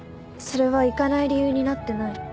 それは行かない理由になってない